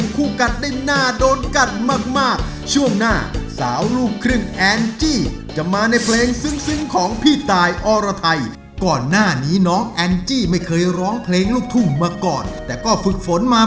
ขอบคุณเครื่องแต่ละกรรมการทั้ง๓ท่านบ้านอะครับ